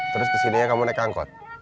terus kesininya kamu naik angkot